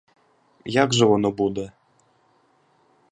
Як же воно буде?